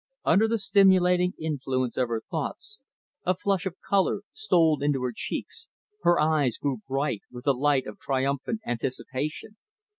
Under the stimulating influence of her thoughts, a flush of color stole into her cheeks, her eyes grew bright with the light of triumphant anticipation.